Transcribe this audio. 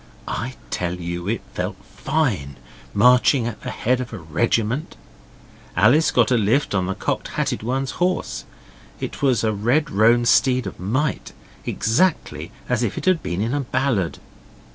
I tell you it felt fine, marching at the head of a regiment. Alice got a lift on the Cocked Hatted One's horse. It was a red roan steed of might, exactly as if it had been in a ballad.